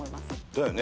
だよね。